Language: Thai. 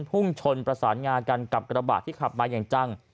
พุ่งชนประสานงากันกับกระบะที่ขับมาอย่างจัง